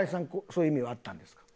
そういう意味はあったんですか？